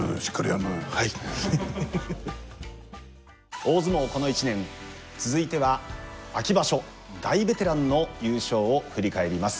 「大相撲この一年」続いては秋場所大ベテランの優勝を振り返ります。